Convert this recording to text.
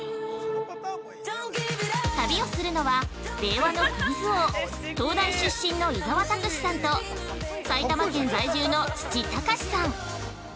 旅をするのは令和のクイズ王東大出身の伊沢拓司さんと埼玉県在住の父、隆司さん。